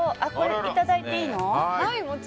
いただいていいの？